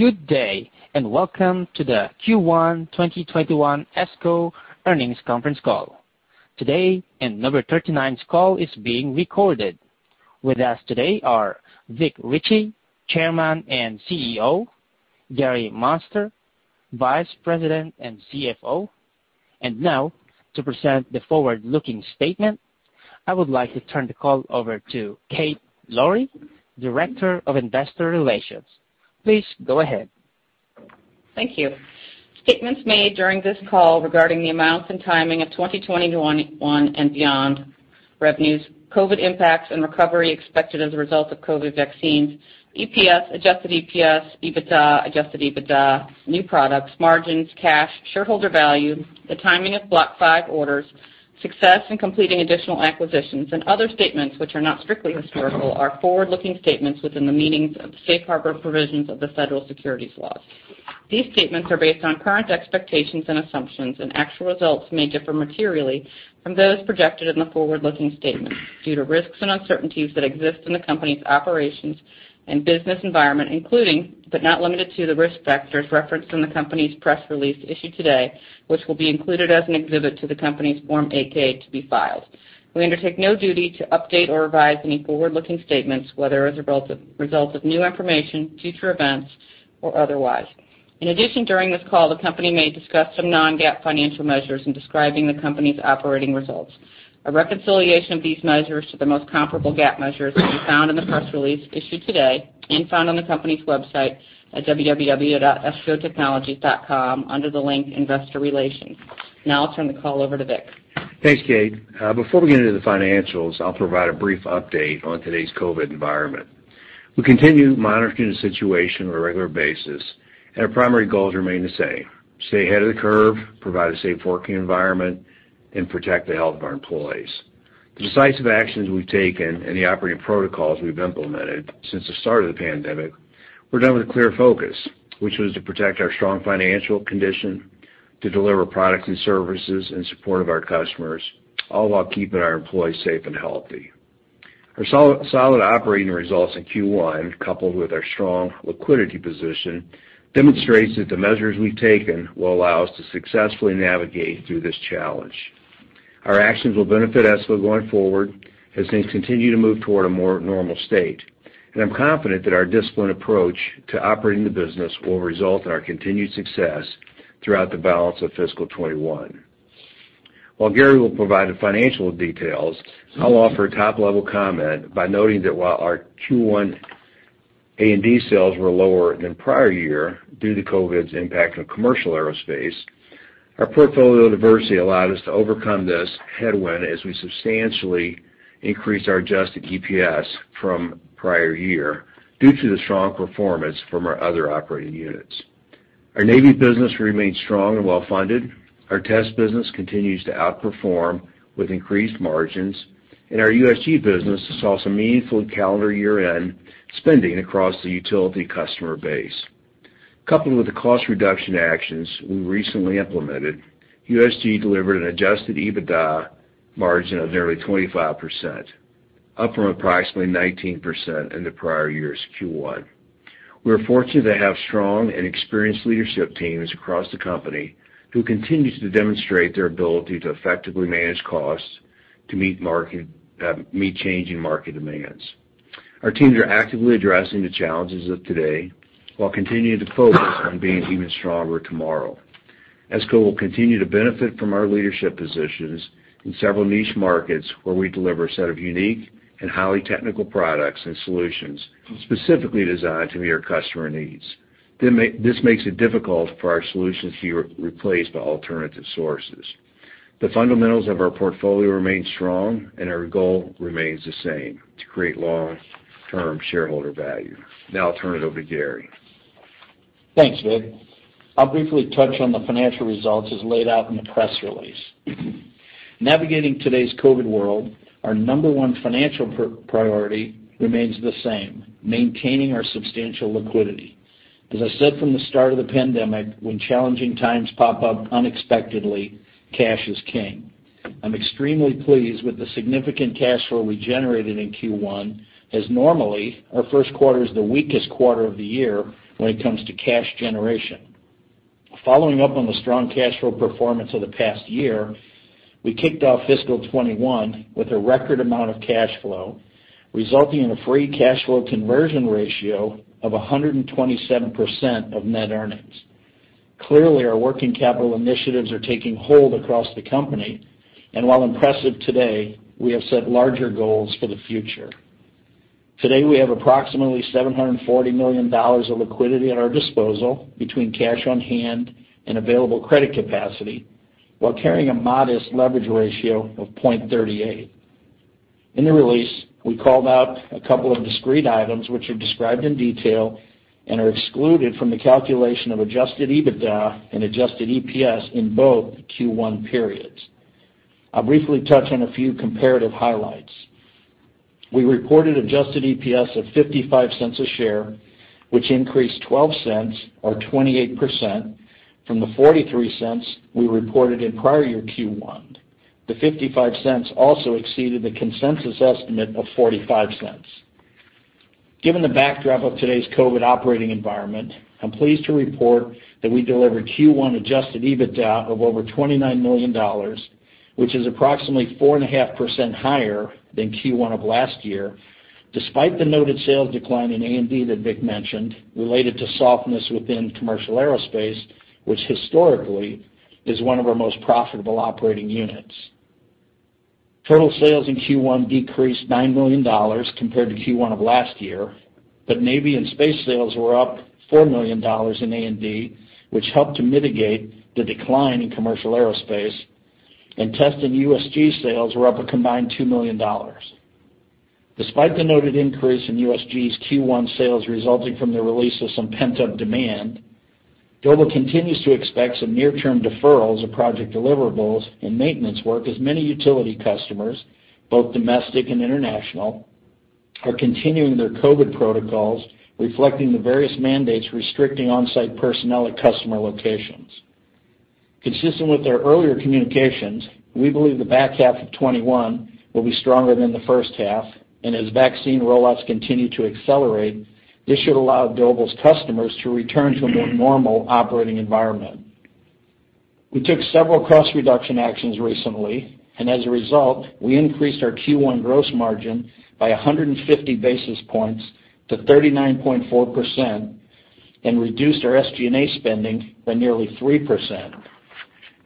Good day, and welcome to the Q1 2021 ESCO Earnings Conference Call. Today’s call is being recorded. With us today are Vic Richey, Chairman and CEO; Gary Muenster, Vice President and CFO. Now, to present the forward-looking statement, I would like to turn the call over to Kate Lowrey, Director of Investor Relations. Please go ahead. Thank you. Statements made during this call regarding the amounts and timing of 2020-2021 and beyond revenues, COVID impacts and recovery expected as a result of COVID vaccines, EPS, Adjusted EPS, EBITDA, Adjusted EBITDA, new products, margins, cash, shareholder value, the timing of Block V orders, success in completing additional acquisitions, and other statements which are not strictly historical, are forward-looking statements within the meanings of safe harbor provisions of the Federal Securities laws. These statements are based on current expectations and assumptions, and actual results may differ materially from those projected in the forward-looking statements due to risks and uncertainties that exist in the company's operations and business environment, including, but not limited to, the risk factors referenced in the company's press release issued today, which will be included as an exhibit to the company's Form 8-K to be filed. We undertake no duty to update or revise any forward-looking statements, whether as a result of new information, future events, or otherwise. In addition, during this call, the company may discuss some non-GAAP financial measures in describing the company's operating results. A reconciliation of these measures to the most comparable GAAP measures can be found in the press release issued today and found on the company's website at www.escotechnologies.com under the link Investor Relations. Now I'll turn the call over to Vic. Thanks, Kate. Before we get into the financials, I'll provide a brief update on today's COVID environment. We continue monitoring the situation on a regular basis, and our primary goals remain the same: stay ahead of the curve, provide a safe working environment, and protect the health of our employees. The decisive actions we've taken and the operating protocols we've implemented since the start of the pandemic were done with a clear focus, which was to protect our strong financial condition, to deliver products and services in support of our customers, all while keeping our employees safe and healthy. Our solid operating results in Q1, coupled with our strong liquidity position, demonstrates that the measures we've taken will allow us to successfully navigate through this challenge. Our actions will benefit ESCO going forward as things continue to move toward a more normal state, and I'm confident that our disciplined approach to operating the business will result in our continued success throughout the balance of fiscal 2021. While Gary will provide the financial details, I'll offer a top-level comment by noting that while our Q1 A&D sales were lower than prior year due to COVID's impact on commercial aerospace, our portfolio diversity allowed us to overcome this headwind as we substantially increased our Adjusted EPS from prior year due to the strong performance from our other operating units. Our Navy business remains strong and well-funded. Our Test business continues to outperform with increased margins, and our USG business saw some meaningful calendar year-end spending across the utility customer base. Coupled with the cost reduction actions we recently implemented, USG delivered an Adjusted EBITDA margin of nearly 25%, up from approximately 19% in the prior year's Q1. We are fortunate to have strong and experienced leadership teams across the company who continue to demonstrate their ability to effectively manage costs to meet market, meet changing market demands. Our teams are actively addressing the challenges of today while continuing to focus on being even stronger tomorrow. ESCO will continue to benefit from our leadership positions in several niche markets, where we deliver a set of unique and highly technical products and solutions specifically designed to meet our customer needs. This makes it difficult for our solutions to be replaced by alternative sources. The fundamentals of our portfolio remain strong, and our goal remains the same: to create long-term shareholder value. Now I'll turn it over to Gary. Thanks, Vic. I'll briefly touch on the financial results as laid out in the press release. Navigating today's COVID world, our number one financial priority remains the same: maintaining our substantial liquidity. As I said from the start of the pandemic, when challenging times pop up unexpectedly, cash is king. I'm extremely pleased with the significant cash flow we generated in Q1, as normally, our first quarter is the weakest quarter of the year when it comes to cash generation. Following up on the strong cash flow performance of the past year, we kicked off fiscal 2021 with a record amount of cash flow, resulting in a free cash flow conversion ratio of 127% of net earnings. Clearly, our working capital initiatives are taking hold across the company, and while impressive today, we have set larger goals for the future. Today, we have approximately $740 million of liquidity at our disposal between cash on hand and available credit capacity, while carrying a modest leverage ratio of 0.38. In the release, we called out a couple of discrete items which are described in detail and are excluded from the calculation of Adjusted EBITDA and Adjusted EPS in both Q1 periods. I'll briefly touch on a few comparative highlights. We reported Adjusted EPS of $0.55 a share, which increased $0.12 or 28% from the $0.43 we reported in prior year Q1. The $0.55 also exceeded the consensus estimate of $0.45. Given the backdrop of today's COVID operating environment, I'm pleased to report that we delivered Q1 Adjusted EBITDA of over $29 million, which is approximately 4.5% higher than Q1 of last year, despite the noted sales decline in A&D that Vic mentioned, related to softness within commercial aerospace, which historically is one of our most profitable operating units. Total sales in Q1 decreased $9 million compared to Q1 of last year, but Navy and space sales were up $4 million in A&D, which helped to mitigate the decline in commercial aerospace, and Test and USG sales were up a combined $2 million. Despite the noted increase in USG's Q1 sales resulting from the release of some pent-up demand, Doble continues to expect some near-term deferrals of project deliverables and maintenance work, as many utility customers, both domestic and international, are continuing their COVID protocols, reflecting the various mandates restricting on-site personnel at customer locations. Consistent with our earlier communications, we believe the back half of 2021 will be stronger than the first half, and as vaccine rollouts continue to accelerate, this should allow Doble's customers to return to a more normal operating environment. We took several cost reduction actions recently, and as a result, we increased our Q1 gross margin by 150 basis points to 39.4% and reduced our SG&A spending by nearly 3%.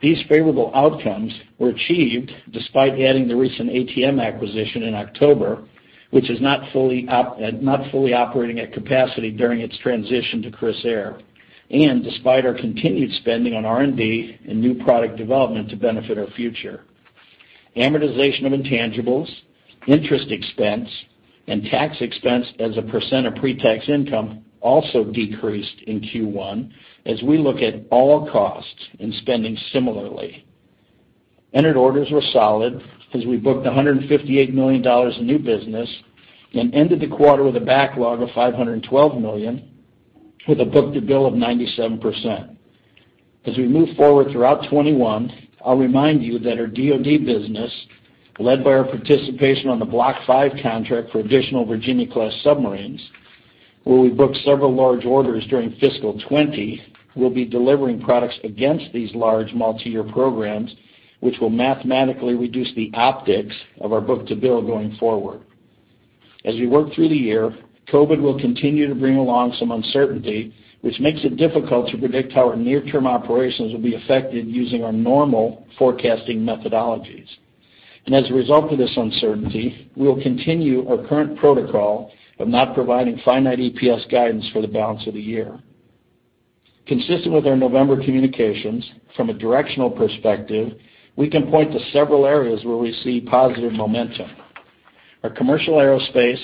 These favorable outcomes were achieved despite adding the recent ATM acquisition in October, which is not fully operating at capacity during its transition to Crissair, and despite our continued spending on R&D and new product development to benefit our future. Amortization of intangibles, interest expense, and tax expense as a percent of pre-tax income also decreased in Q1, as we look at all costs and spending similarly. Entered orders were solid, as we booked $158 million in new business and ended the quarter with a backlog of $512 million, with a book-to-bill of 97%. As we move forward throughout 2021, I'll remind you that our DoD business, led by our participation on the Block V contract for additional Virginia-class submarines, where we booked several large orders during fiscal 2020, we'll be delivering products against these large multiyear programs, which will mathematically reduce the optics of our book-to-bill going forward. As we work through the year, COVID will continue to bring along some uncertainty, which makes it difficult to predict how our near-term operations will be affected using our normal forecasting methodologies. And as a result of this uncertainty, we will continue our current protocol of not providing finite EPS guidance for the balance of the year. Consistent with our November communications, from a directional perspective, we can point to several areas where we see positive momentum. Our commercial aerospace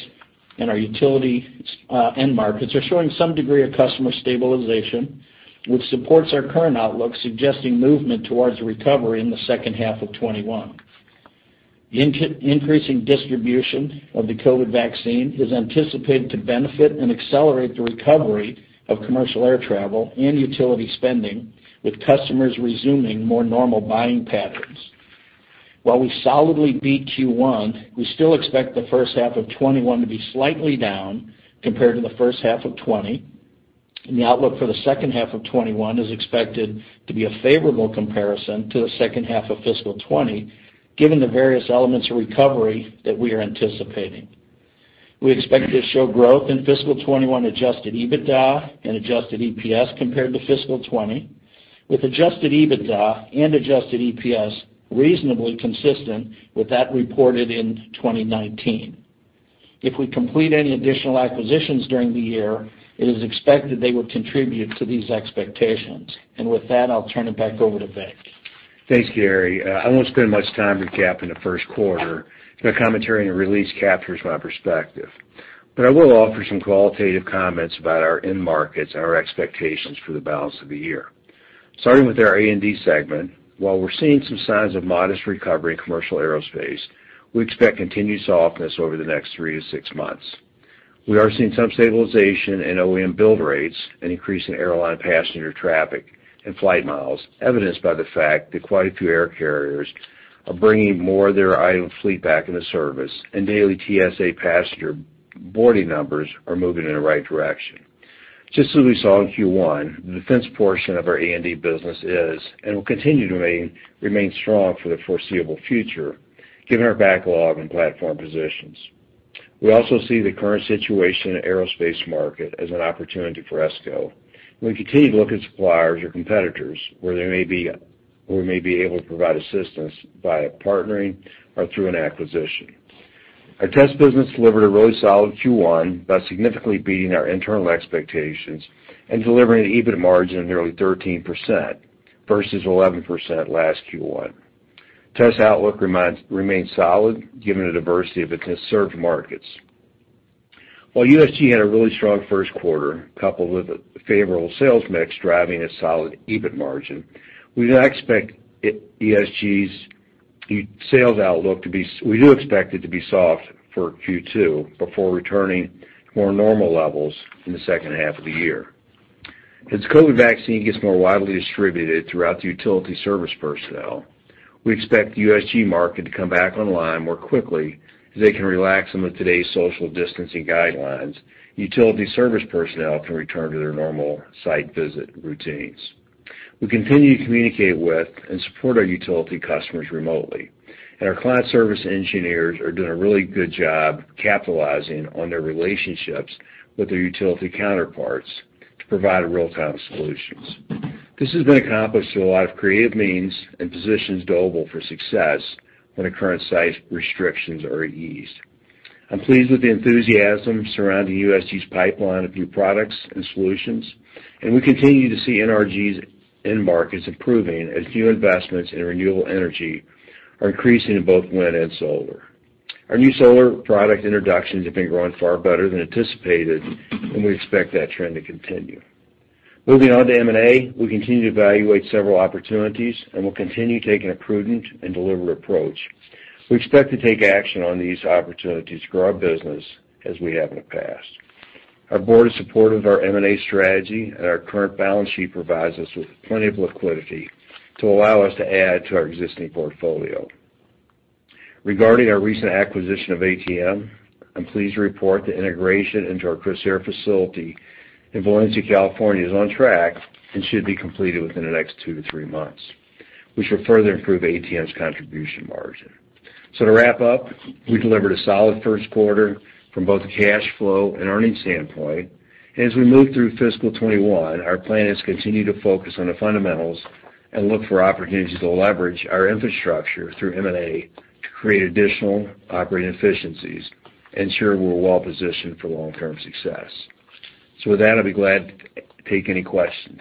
and our utility end markets are showing some degree of customer stabilization, which supports our current outlook, suggesting movement towards a recovery in the second half of 2021. Increasing distribution of the COVID vaccine is anticipated to benefit and accelerate the recovery of commercial air travel and utility spending, with customers resuming more normal buying patterns. While we solidly beat Q1, we still expect the first half of 2021 to be slightly down compared to the first half of 2020, and the outlook for the second half of 2021 is expected to be a favorable comparison to the second half of fiscal 2020, given the various elements of recovery that we are anticipating. We expect to show growth in fiscal 2021 Adjusted EBITDA and Adjusted EPS compared to fiscal 2020, with Adjusted EBITDA and Adjusted EPS reasonably consistent with that reported in 2019. If we complete any additional acquisitions during the year, it is expected they will contribute to these expectations. With that, I'll turn it back over to Vic. Thanks, Gary. I won't spend much time recapping the first quarter. The commentary and release captures my perspective. But I will offer some qualitative comments about our end markets and our expectations for the balance of the year. Starting with our A&D segment, while we're seeing some signs of modest recovery in commercial aerospace, we expect continued softness over the next three to six months. We are seeing some stabilization in OEM build rates and increase in airline passenger traffic and flight miles, evidenced by the fact that quite a few air carriers are bringing more of their idle fleet back into service, and daily TSA passenger boarding numbers are moving in the right direction. Just as we saw in Q1, the defense portion of our A&D business is, and will continue to remain, strong for the foreseeable future, given our backlog and platform positions. We also see the current situation in the aerospace market as an opportunity for ESCO. We continue to look at suppliers or competitors where they may be, where we may be able to provide assistance via partnering or through an acquisition. Our Test business delivered a really solid Q1 by significantly beating our internal expectations and delivering an EBITDA margin of nearly 13% versus 11% last Q1. Test outlook remains solid, given the diversity of its served markets. While USG had a really strong first quarter, coupled with a favorable sales mix, driving a solid EBIT margin, we now expect USG's sales outlook to be soft for Q2 before returning to more normal levels in the second half of the year. As the COVID vaccine gets more widely distributed throughout the utility service personnel, we expect the USG market to come back online more quickly as they can relax some of today's social distancing guidelines. Utility service personnel can return to their normal site visit routines. We continue to communicate with and support our utility customers remotely, and our client service engineers are doing a really good job capitalizing on their relationships with their utility counterparts to provide real-time solutions. This has been accomplished through a lot of creative means and positions Doble for success when the current site restrictions are eased. I'm pleased with the enthusiasm surrounding USG's pipeline of new products and solutions, and we continue to see NRG's end markets improving as new investments in renewable energy are increasing in both wind and solar. Our new solar product introductions have been growing far better than anticipated, and we expect that trend to continue. Moving on to M&A, we continue to evaluate several opportunities, and we'll continue taking a prudent and deliberate approach. We expect to take action on these opportunities to grow our business as we have in the past. Our board is supportive of our M&A strategy, and our current balance sheet provides us with plenty of liquidity to allow us to add to our existing portfolio. Regarding our recent acquisition of ATM, I'm pleased to report the integration into our Crissair facility in Valencia, California, is on track and should be completed within the next two to three months. We should further improve ATM's contribution margin. So to wrap up, we delivered a solid first quarter from both a cash flow and earnings standpoint. As we move through fiscal 2021, our plan is to continue to focus on the fundamentals and look for opportunities to leverage our infrastructure through M&A to create additional operating efficiencies, ensuring we're well positioned for long-term success. So with that, I'd be glad to take any questions.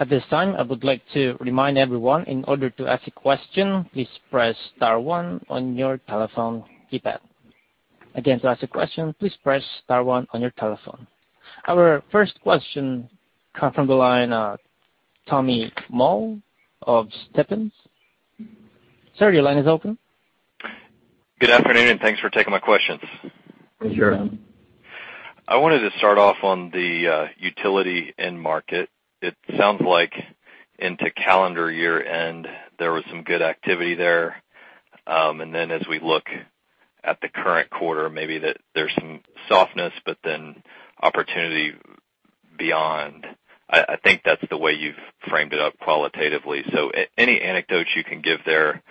At this time, I would like to remind everyone, in order to ask a question, please press star one on your telephone keypad. Again, to ask a question, please press star one on your telephone. Our first question come from the line, Tommy Moll of Stephens. Sir, your line is open. Good afternoon, and thanks for taking my questions. Sure. I wanted to start off on the utility end market. It sounds like into calendar year-end, there was some good activity there. And then as we look at the current quarter, maybe that there's some softness, but then opportunity beyond. I think that's the way you've framed it up qualitatively. So any anecdotes you can give there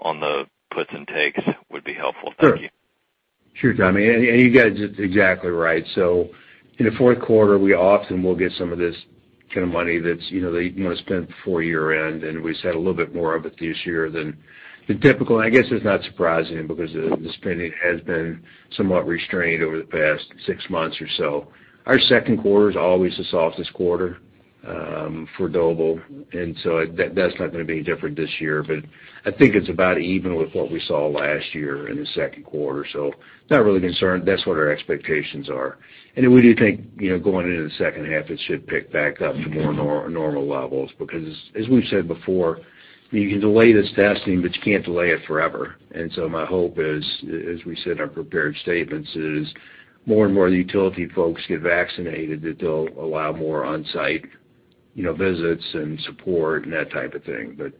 on the puts and takes would be helpful. Thank you. Sure, Tommy, you got it exactly right. So in the fourth quarter, we often will get some of this kind of money that's, you know, they want to spend before year-end, and we just had a little bit more of it this year than the typical. I guess it's not surprising because the spending has been somewhat restrained over the past six months or so. Our second quarter is always the softest quarter for Doble, and so that's not going to be any different this year. But I think it's about even with what we saw last year in the second quarter, so not really concerned. That's what our expectations are. And we do think, you know, going into the second half, it should pick back up to more normal levels because, as we've said before, you can delay this testing, but you can't delay it forever. And so my hope is, as we said in our prepared statements, is more and more of the utility folks get vaccinated, that they'll allow more on-site, you know, visits and support and that type of thing. But,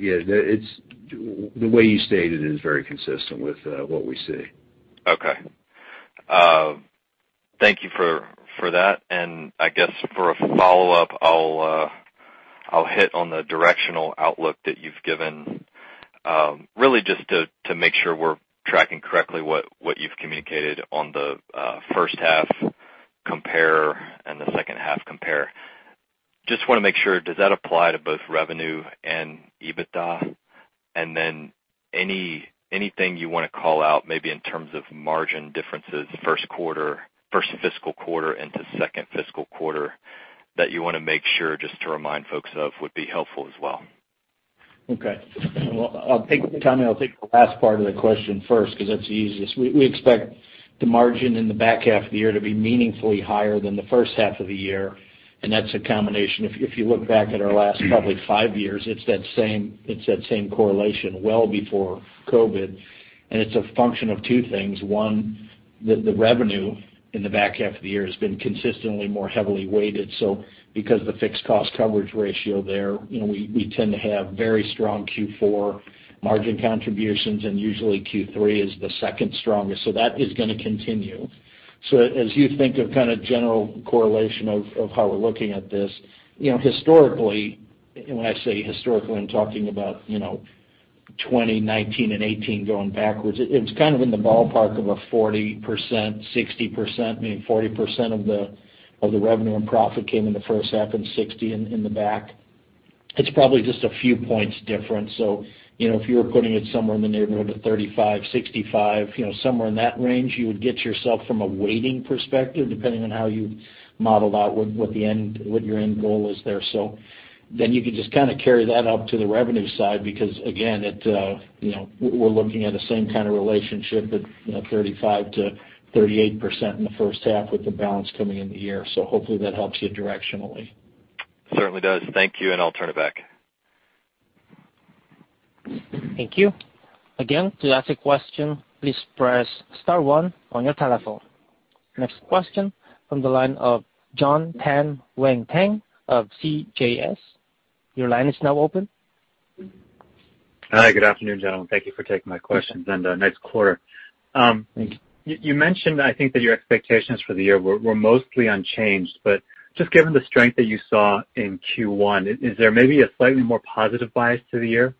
yeah, the way you stated it is very consistent with what we see. Okay. Thank you for, for that. And I guess for a follow-up, I'll, I'll hit on the directional outlook that you've given, really just to, to make sure we're tracking correctly what, what you've communicated on the, first half compare and the second half compare. Just want to make sure, does that apply to both revenue and EBITDA? And then anything you want to call out, maybe in terms of margin differences, first quarter- first fiscal quarter into second fiscal quarter, that you want to make sure just to remind folks of, would be helpful as well. Okay. Well, I'll take, Tommy, the last part of the question first, because that's the easiest. We expect the margin in the back half of the year to be meaningfully higher than the first half of the year, and that's a combination. If you look back at our last probably five years, it's that same correlation, well before COVID, and it's a function of two things. One, the revenue in the back half of the year has been consistently more heavily weighted. So because the fixed cost coverage ratio there, you know, we tend to have very strong Q4 margin contributions, and usually Q3 is the second strongest. So that is going to continue. So as you think of kind of general correlation of how we're looking at this, you know, historically, when I say historically, I'm talking about, you know, 2020, 2019, and 2018 going backwards. It's kind of in the ballpark of a 40%, 60%, meaning 40% of the revenue and profit came in the first half and 60% in the back. It's probably just a few points different. So, you know, if you were putting it somewhere in the neighborhood of 35, 65, you know, somewhere in that range, you would get yourself from a weighting perspective, depending on how you modeled out what your end goal is there. So then you can just kind of carry that up to the revenue side because, again, it, you know, we're looking at the same kind of relationship with, you know, 35%-38% in the first half, with the balance coming in the year. So hopefully that helps you directionally. Certainly does. Thank you, and I'll turn it back. ... Thank you. Again, to ask a question, please press star one on your telephone. Next question from the line of Jon Tanwanteng of CJS. Your line is now open. Hi, good afternoon, gentlemen. Thank you for taking my questions and, nice quarter. Thank you. You mentioned, I think, that your expectations for the year were mostly unchanged, but just given the strength that you saw in Q1, is there maybe a slightly more positive bias to the year,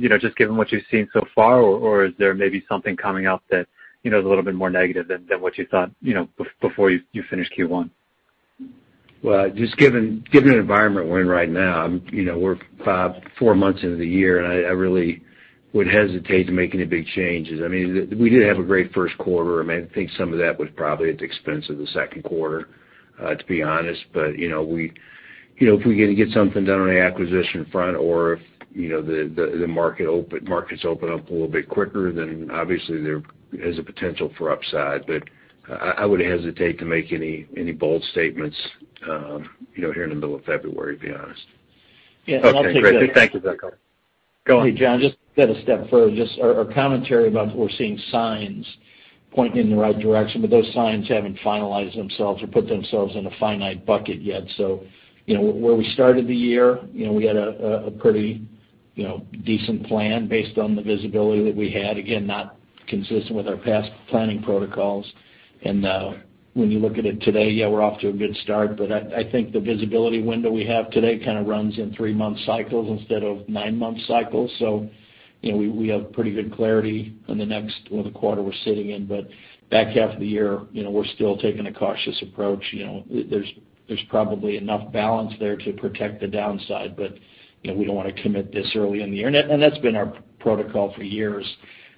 you know, just given what you've seen so far? Or is there maybe something coming up that, you know, is a little bit more negative than what you thought, you know, before you finished Q1? Well, just given the environment we're in right now, you know, we're four months into the year, and I really would hesitate to make any big changes. I mean, we did have a great first quarter. I mean, I think some of that was probably at the expense of the second quarter, to be honest. But, you know, if we get something done on the acquisition front or if, you know, the markets open up a little bit quicker, then obviously there is a potential for upside. But I would hesitate to make any bold statements, you know, here in the middle of February, to be honest. Yeah, and I'll take that. Thank you, Victor. Go on. Hey, John, just add a step further. Just our commentary about we're seeing signs pointing in the right direction, but those signs haven't finalized themselves or put themselves in a finite bucket yet. So, you know, where we started the year, you know, we had a pretty decent plan based on the visibility that we had. Again, not consistent with our past planning protocols. And when you look at it today, yeah, we're off to a good start, but I think the visibility window we have today kind of runs in three-month cycles instead of nine-month cycles. So, you know, we have pretty good clarity on the next, well, the quarter we're sitting in. But back half of the year, you know, we're still taking a cautious approach. You know, there's probably enough balance there to protect the downside, but, you know, we don't want to commit this early in the year. And that's been our protocol for years,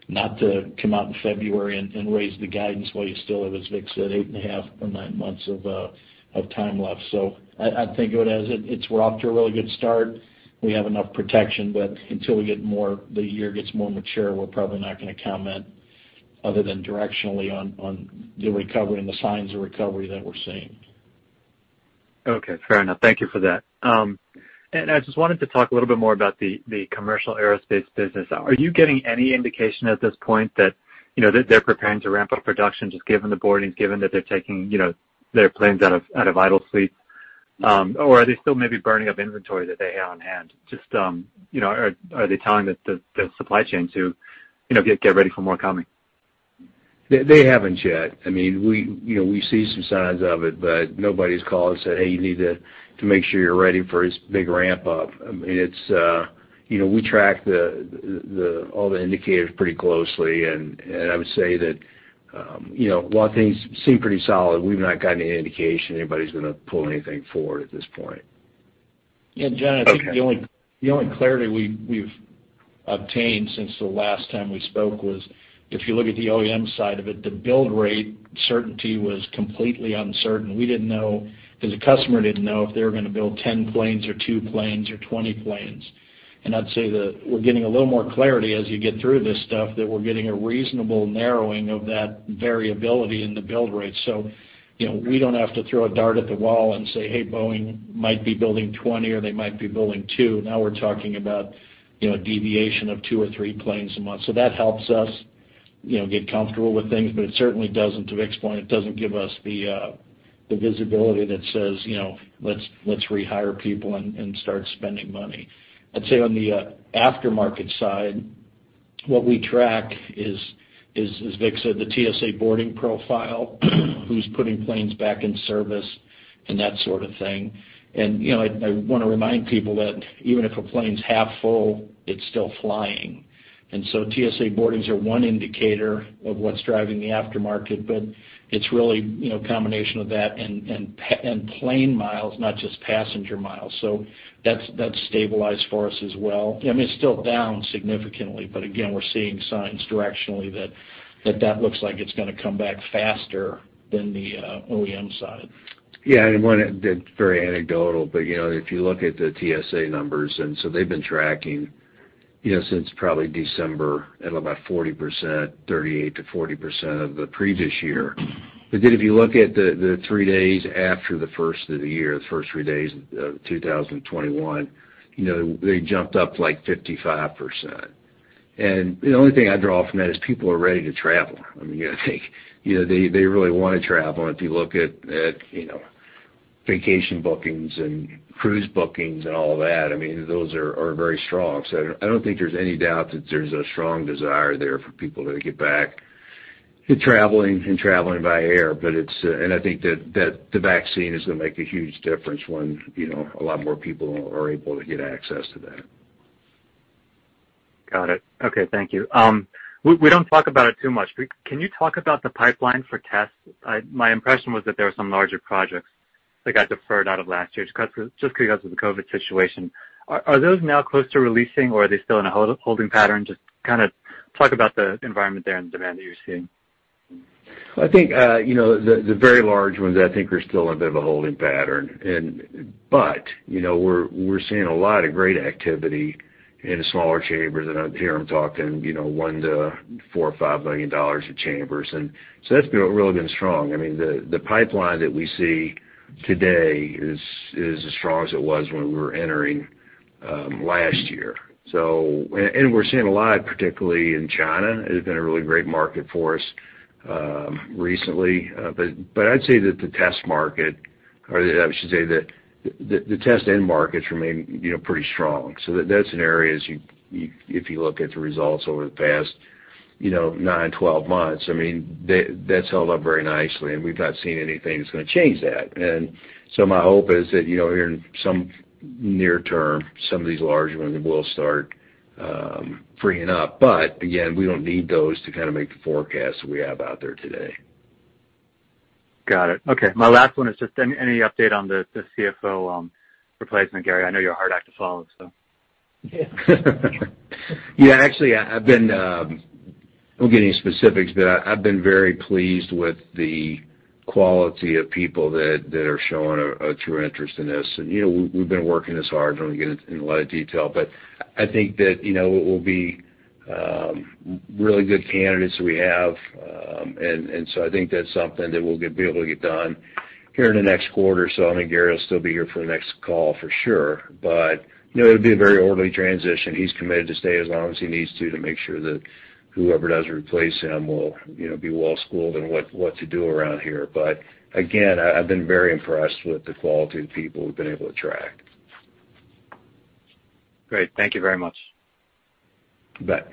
not to come out in February and raise the guidance while you still have, as Vic said, 8.5 or nine months of time left. So I'd take it as it's we're off to a really good start. We have enough protection, but until we get more, the year gets more mature, we're probably not gonna comment other than directionally on the recovery and the signs of recovery that we're seeing. Okay, fair enough. Thank you for that. And I just wanted to talk a little bit more about the commercial aerospace business. Are you getting any indication at this point that, you know, that they're preparing to ramp up production, just given the boardings, given that they're taking, you know, their planes out of idle fleets? Or are they still maybe burning up inventory that they have on hand? Just, you know, are they telling the supply chain to, you know, get ready for more coming? They haven't yet. I mean, you know, we see some signs of it, but nobody's called and said, "Hey, you need to make sure you're ready for this big ramp up." I mean, it's. You know, we track all the indicators pretty closely, and I would say that, you know, while things seem pretty solid, we've not gotten any indication anybody's gonna pull anything forward at this point. Yeah, John, I think the only- Okay.... The only clarity we've obtained since the last time we spoke was, if you look at the OEM side of it, the build rate certainty was completely uncertain. We didn't know, because the customer didn't know if they were gonna build 10 planes or two planes or 20 planes. And I'd say that we're getting a little more clarity as you get through this stuff, that we're getting a reasonable narrowing of that variability in the build rate. So, you know, we don't have to throw a dart at the wall and say, "Hey, Boeing might be building 20, or they might be building two." Now we're talking about, you know, a deviation of two or three planes a month. So that helps us, you know, get comfortable with things, but it certainly doesn't, to Vic's point, it doesn't give us the visibility that says, you know, let's, let's rehire people and, and start spending money. I'd say on the aftermarket side, what we track is, is, as Vic said, the TSA boarding profile, who's putting planes back in service and that sort of thing. And, you know, I, I want to remind people that even if a plane's half full, it's still flying. And so TSA boardings are one indicator of what's driving the aftermarket, but it's really, you know, a combination of that and plane miles, not just passenger miles. So that's, that's stabilized for us as well. I mean, it's still down significantly, but again, we're seeing signs directionally that that looks like it's gonna come back faster than the OEM side. Yeah, and one, that's very anecdotal, but, you know, if you look at the TSA numbers, and so they've been tracking, you know, since probably December, at about 40%, 38%-40% of the previous year. But then if you look at the, the three days after the first of the year, the first three days of 2021, you know, they jumped up to, like, 55%. And the only thing I draw from that is people are ready to travel. I mean, I think you know, they, they really want to travel. If you look at, at, you know, vacation bookings and cruise bookings and all that, I mean, those are, are very strong. So I don't think there's any doubt that there's a strong desire there for people to get back to traveling and traveling by air. But it's... I think that the vaccine is gonna make a huge difference when, you know, a lot more people are able to get access to that. Got it. Okay, thank you. We don't talk about it too much, but can you talk about the pipeline for tests? My impression was that there were some larger projects that got deferred out of last year's, just because of the COVID situation. Are those now close to releasing, or are they still in a holding pattern? Just kind of talk about the environment there and the demand that you're seeing. I think, you know, the very large ones, I think, are still in a bit of a holding pattern. But you know, we're seeing a lot of great activity in the smaller chambers, and I'm talking, you know, $1 million-$4 million or $5 million of chambers. So that's really been strong. I mean, the pipeline that we see today is as strong as it was when we were entering last year. So, and we're seeing a lot, particularly in China; it has been a really great market for us recently. But I'd say that the test end markets remain, you know, pretty strong. So that's an area as you if you look at the results over the past, you know, nine, 12 months, I mean, that's held up very nicely, and we've not seen anything that's going to change that. And so my hope is that, you know, here in some near term, some of these large ones will start freeing up. But again, we don't need those to kind of make the forecasts we have out there today. Got it. Okay. My last one is just any update on the CFO replacement, Gary? I know you're a hard act to follow, so. Yeah, actually, I won't get any specifics, but I've been very pleased with the quality of people that are showing a true interest in this. And, you know, we've been working this hard, don't want to get in a lot of detail, but I think that, you know, it will be really good candidates we have. And so I think that's something that we'll be able to get done here in the next quarter. So I think Gary will still be here for the next call, for sure. But, you know, it'll be a very orderly transition. He's committed to stay as long as he needs to, to make sure that whoever does replace him will, you know, be well schooled in what to do around here. But again, I've been very impressed with the quality of the people we've been able to attract. Great. Thank you very much. You bet.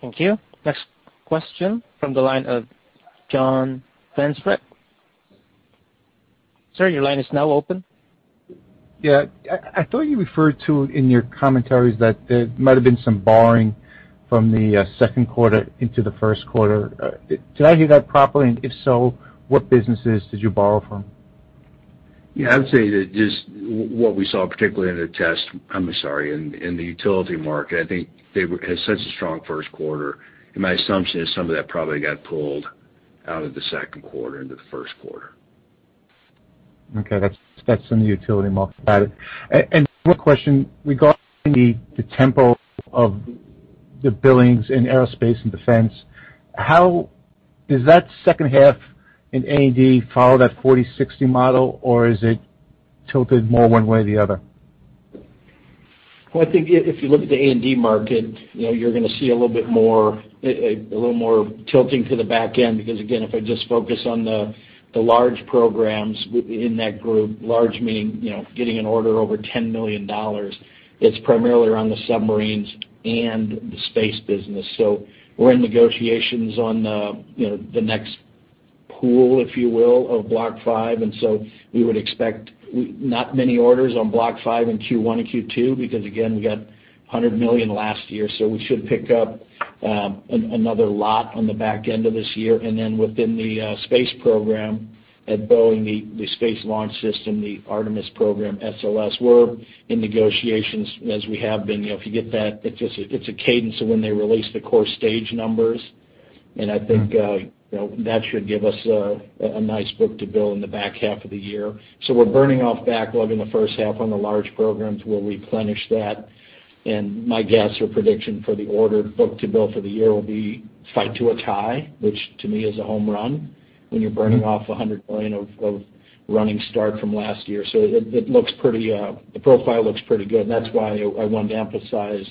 Thank you. Next question from the line of John Franzreb. Sir, your line is now open. Yeah. I, I thought you referred to in your commentaries that there might have been some borrowing from the, second quarter into the first quarter. Did I hear that properly? And if so, what businesses did you borrow from? Yeah, I would say that just what we saw, particularly in the test... I'm sorry, in the utility market, I think they had such a strong first quarter, and my assumption is some of that probably got pulled out of the second quarter into the first quarter. Okay, that's, that's in the utility market. Got it. And one question regarding the tempo of the billings in aerospace and defense. How... Does that second half in A&D follow that 40-60 model, or is it tilted more one way or the other? Well, I think if you look at the A&D market, you know, you're going to see a little bit more, a little more tilting to the back end, because, again, if I just focus on the large programs in that group, large meaning, you know, getting an order over $10 million, it's primarily around the submarines and the space business. So we're in negotiations on the, you know, the next pool, if you will, of Block V, and so we would expect not many orders on Block V in Q1 and Q2, because, again, we got $100 million last year, so we should pick up another lot on the back end of this year. And then within the space program at Boeing, the Space Launch System, the Artemis program, SLS, we're in negotiations, as we have been. You know, if you get that, it's just, it's a cadence of when they release the core stage numbers. And I think, you know, that should give us a nice book-to-bill in the back half of the year. So we're burning off backlog in the first half on the large programs. We'll replenish that. And my guess, or prediction for the order book-to-bill for the year will be fight to a tie, which to me is a home run when you're burning off $100 million of running start from last year. So it looks pretty, the profile looks pretty good. That's why I wanted to emphasize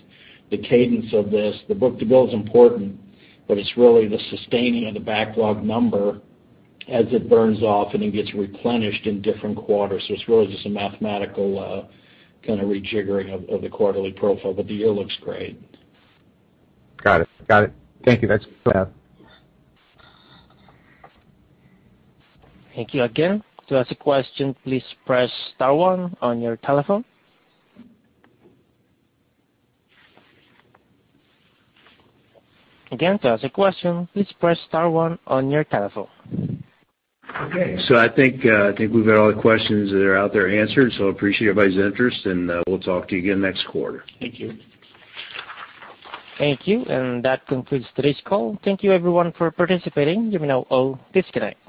the cadence of this. The book-to-bill is important, but it's really the sustaining of the backlog number as it burns off and it gets replenished in different quarters. It's really just a mathematical kind of rejiggering of the quarterly profile, but the year looks great. Got it. Got it. Thank you. That's... Thank you again. To ask a question, please press star one on your telephone. Again, to ask a question, please press star one on your telephone. Okay. So I think, I think we've got all the questions that are out there answered, so appreciate everybody's interest, and we'll talk to you again next quarter. Thank you. Thank you, and that concludes today's call. Thank you everyone for participating. You may now all disconnect.